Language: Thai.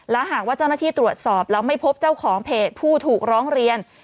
และหากว่าเจ้าหน้าที่ตรวจสอบแล้วไม่พบเจ้าของเพจผู้ถูกร้องเรียน